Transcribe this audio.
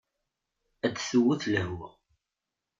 Ad tewwet lehwa.